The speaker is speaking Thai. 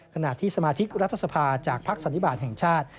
ขณะที่สมาชิกรัฐสภาจากภักดิ์สันติบาลแห่งชาติ